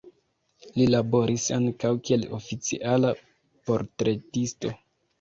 Li laboris ankaŭ kiel oficiala portretisto.